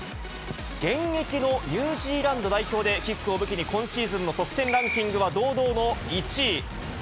現役のニュージーランド代表で、キックを武器に今シーズンの得点ランキングは堂々の１位。